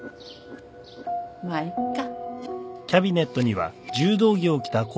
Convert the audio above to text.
まっいっか。